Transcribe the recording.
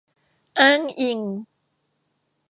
อ้างอิง